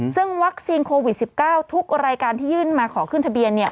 ซึ่งวัคซีนโควิด๑๙ทุกรายการที่ยื่นมาขอขึ้นทะเบียน